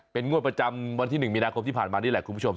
งวดประจำวันที่๑มีนาคมที่ผ่านมานี่แหละคุณผู้ชม